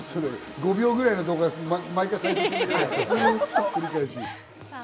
５秒ぐらいの動画でね、毎回、繰り返し。